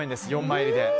４枚入りで。